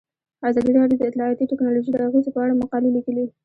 ازادي راډیو د اطلاعاتی تکنالوژي د اغیزو په اړه مقالو لیکلي.